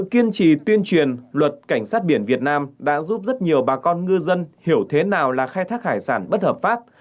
kiên trì tuyên truyền luật cảnh sát biển việt nam đã giúp rất nhiều bà con ngư dân hiểu thế nào là khai thác hải sản bất hợp pháp